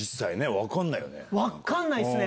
分かんないっすね！